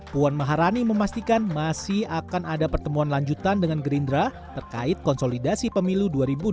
puan maharani memastikan masih akan ada pertemuan lanjutan dengan gerindra terkait konsolidasi pemilu dua ribu dua puluh